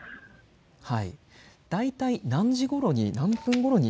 はい、大体何時ごろに何分ごろに。